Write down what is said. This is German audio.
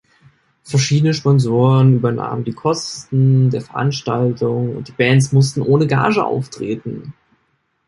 Verschiedene Sponsoren übernahmen die Kosten der Veranstaltung und die Bands mussten ohne Gage auftreten.